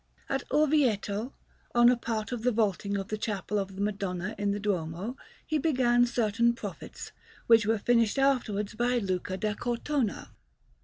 At Orvieto, on a part of the vaulting of the Chapel of the Madonna in the Duomo, he began certain prophets, which were finished afterwards by Luca da Cortona.